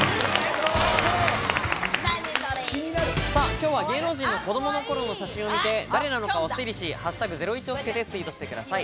今日は芸能人の子供の頃の写真を見て誰なのかを推理し、「＃ゼロイチ」をつけてツイートしてください。